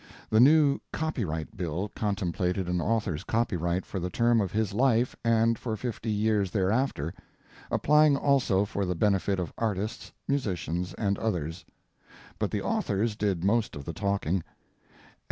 The new Copyright Bill contemplated an author's copyright for the term of his life and for fifty years thereafter, applying also for the benefit of artists, musicians, and others, but the authors did most of the talking.